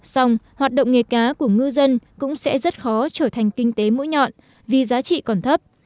xong hoạt động nghề cá của ngư dân cũng sẽ rất khó trở thành kinh tế mũi nhọn vì giá trị còn thấp